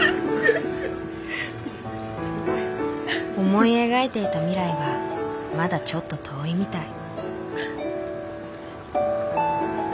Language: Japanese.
思い描いていた未来はまだちょっと遠いみたい。